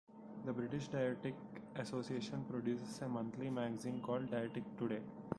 The British Dietetic Association produces a monthly magazine called Dietetics Today.